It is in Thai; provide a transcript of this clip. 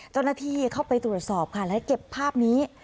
เจ้าหน้าที่เข้าไปตรวจสอบค่ะและเก็บภาพนี้